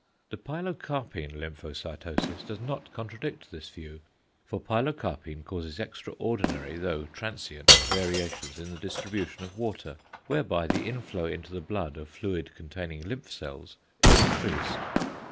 The pilocarpine lymphocytosis does not contradict this view, for pilocarpine causes extraordinary though transient variations in the distribution of water, whereby the inflow into the blood of fluid containing lymph cells is increased.